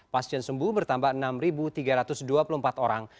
pasien sembuh bertambah enam tiga ratus dua puluh empat orang